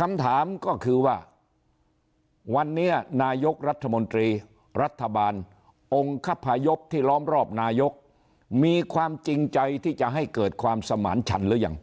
คำถามก็คือว่าวันนี้นายกรัฐมนตรีรัฐบาลองค์คพยพที่ล้อมรอบนายกมีความจริงใจที่จะให้เกิดความสมานชันหรือยัง